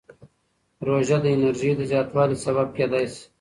روژه د انرژۍ د زیاتوالي سبب کېدای شي.